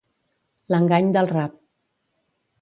L'engany del rap.